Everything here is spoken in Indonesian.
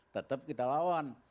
tetap kita lawan